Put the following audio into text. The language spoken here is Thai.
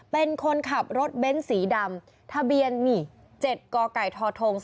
เป็นคนขับรถเบ้นสีดำทะเบียนนี่๗กไก่ทท